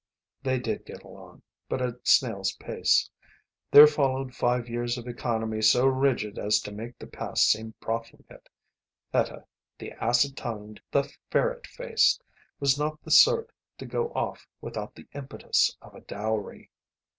They did get along, but at snail's pace. There followed five years of economy so rigid as to make the past seem profligate. Etta, the acid tongued, the ferret faced, was not the sort to go off without the impetus of a dowry.